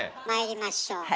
まいりましょう。